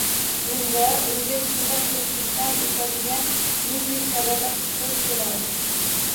Bunda unga tunda quruqlikdan esadigan yengil shabada qo‘l keladi